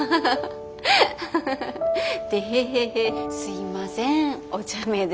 テヘヘヘすいませんおちゃめで。